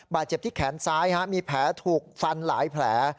บาดเจ็บที่แขนซ้ายมีแผลถูกฟันหลายแผล